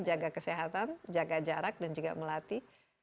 jaga kesehatan jaga jarak dan juga melatih